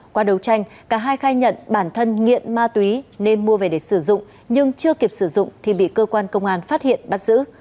qua đấu tranh cả hai khai nhận bản thân nghiện ma túy nên mua về để sử dụng nhưng chưa kịp sử dụng thì bị cơ quan công an phát hiện bắt giữ